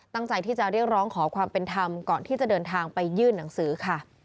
ตั้งใจที่จะเรียกร้องขอความเป็นธรรมก่อนที่จะเดินทางไปยื่นหนังสือค่ะ